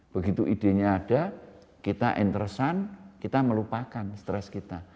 begitu idenya ada kita interestan kita melupakan stress kita